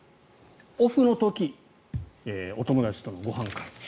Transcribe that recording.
オフの時、お友達とのご飯会。